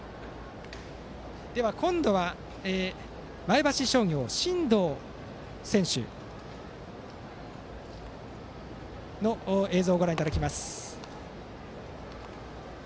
今度は前橋商業真藤選手の映像をご覧いただきます。